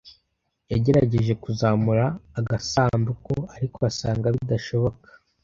Yagerageje kuzamura agasanduku, ariko asanga bidashoboka.